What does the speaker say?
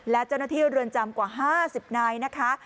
และเจ้าหน้าที่เรือนจำกว่า๕๐นายนะคะ